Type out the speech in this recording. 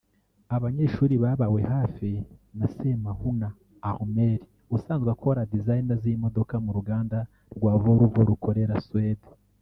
aba banyehsuri babawe hafi na Semahuna Armel usanzwe akora design z’imodoka mu ruganda rwa Volvo rukorera Suwedi